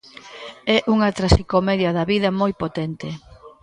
É unha traxicomedia da vida moi potente.